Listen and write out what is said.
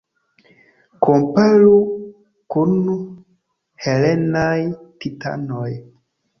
Komparu kun helenaj titanoj.